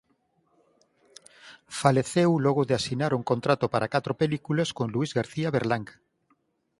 Faleceu logo de asinar un contrato para catro películas con Luis García Berlanga.